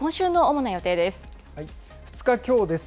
２日きょうです。